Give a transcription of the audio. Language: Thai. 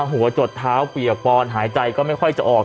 หัวจดเท้าเปียกปอนหายใจก็ไม่ค่อยจะออก